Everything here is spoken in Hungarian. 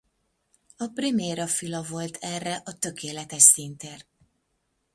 A Primera fila volt erre a tökéletes színtér.